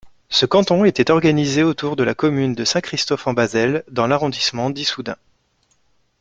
Ce canton était organisé autour de la commune de Saint-Christophe-en-Bazelle, dans l'arrondissement d'Issoudun.